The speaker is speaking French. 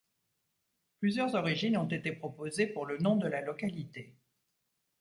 Plusieurs origines ont été proposées pour le nom de la localité.